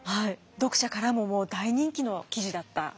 読者からももう大人気の記事だったようです。